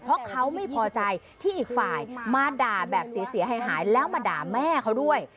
เพราะเขาไม่พอใจที่อีกฝ่ายมาด่าแบบเสียหายแล้วมาด่าแม่เขาด้วย